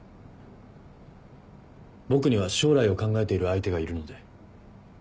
僕には将来を考えている相手がいるので。